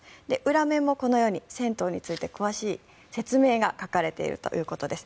裏面もこのように銭湯について詳しい説明が書かれているということです。